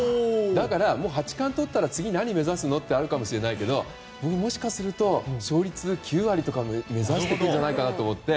だから、八冠をとったら次に何を目指すの？ってあるかもしれませんけど僕は、もしかすると勝率９割とか目指してるんじゃないかなと思って。